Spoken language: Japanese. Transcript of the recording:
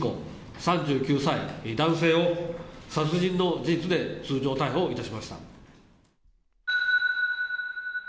３９歳男性を殺人の事実で通常逮捕いたしました。